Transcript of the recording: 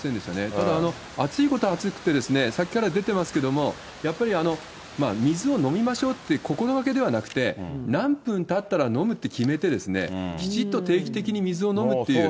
ただ、暑いことは暑くて、さっきから出てますけれども、やっぱり水を飲みましょうっていう心がけではなくて、何分たったら飲むって決めて、きちっと定期的に水を飲むっていう。